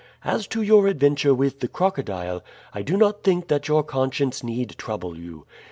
As to your adventure with the crocodile, I do not think that your conscience need trouble you.